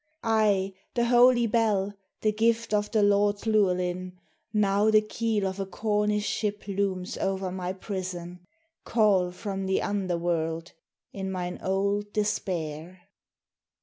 I, the holy bell, the gift of the Lord Llewellyn, Now the keel of a Cornish ship looms over my prison, Call from the underworld in mine old despair.